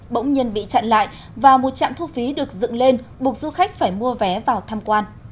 bỗng nhiên bị chặn lại và một trạm thu phí được dựng lên buộc du khách phải mua vé vào tham quan